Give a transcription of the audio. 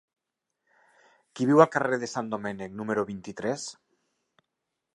Qui viu al carrer de Sant Domènec número vint-i-tres?